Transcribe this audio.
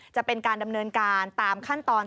จะเป็นการดำเนินการตามขั้นตอน